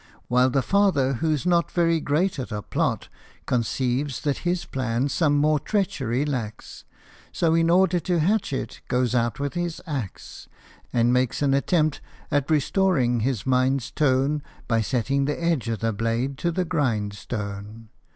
While the father, who 's not Very great at a plot, Conceives that his plan some more treachery lacks ; So in order to hatch it, goes out with his axe, And makes an attempt at restoring his mind's tone By setting the edge of the blade to the grindstone.